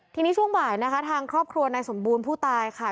ทีนี้ช่วงบ่ายนะคะทางครอบครัวนายสมบูรณ์ผู้ตายค่ะ